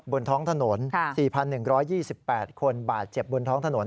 บนท้องถนน๔๑๒๘คนบาดเจ็บบนท้องถนน